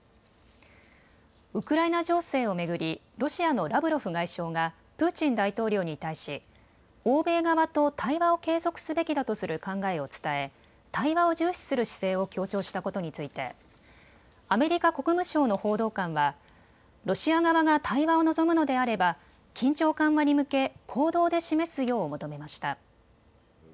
ウクライナ情勢を巡り、ロシアのラブロフ外相がプーチン大統領に対し欧米側と対話を継続すべきだとする考えを伝え対話を重視する姿勢を強調したことについてアメリカ国務省の報道官はロシア側が対話を望むのであれば緊張緩和に向け、行動で示すよう求めました。